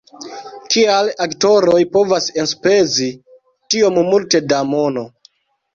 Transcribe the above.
"Kial aktoroj povas enspezi tiom multe da mono!